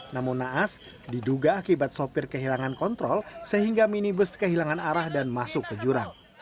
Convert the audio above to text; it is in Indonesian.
namun naas diduga akibat sopir kehilangan kontrol sehingga minibus kehilangan arah dan masuk ke jurang